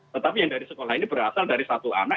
tetapi yang dari sekolah ini berasal dari satu anak